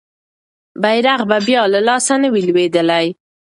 بیرغ به بیا له لاسه نه وي لویدلی.